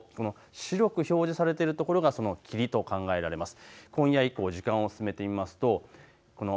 雲や霧の予想、この白く表示されているところがその霧と考えられます。